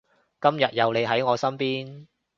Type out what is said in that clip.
今日有你喺我身邊